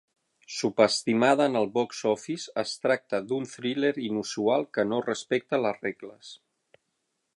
Subestimada en el box-office, es tracta d'un thriller inusual que no respecta les regles.